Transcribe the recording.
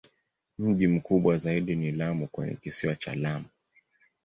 Mji mkubwa zaidi ni Lamu kwenye Kisiwa cha Lamu.